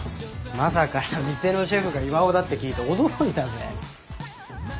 マサから店のシェフが巌だって聞いて驚いたぜ。